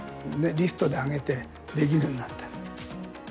リフトで上げてできるようになってる。